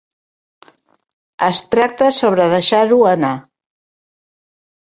Es tracta sobre deixar-ho anar.